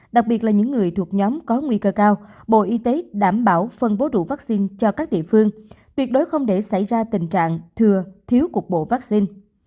đặc biệt là những người thuộc nhóm có nguy cơ cao bộ y tế đảm bảo phân bố đủ vaccine cho các địa phương tuyệt đối không để xảy ra tình trạng thừa thiếu cục bộ vaccine